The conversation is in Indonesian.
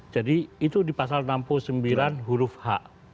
jadi itu di pasal enam puluh sembilan huruf h